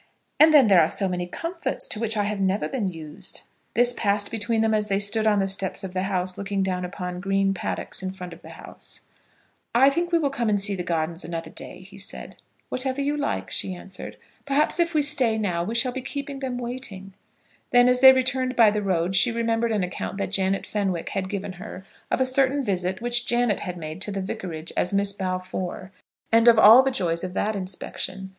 And then there are so many comforts to which I have never been used." This passed between them as they stood on the steps of the house, looking down upon green paddocks in front of the house; "I think we will come and see the gardens another day," he said. "Whenever you like," she answered. "Perhaps if we stay now we shall be keeping them waiting." Then, as they returned by the road, she remembered an account that Janet Fenwick had given her of a certain visit which Janet had made to the vicarage as Miss Balfour, and of all the joys of that inspection.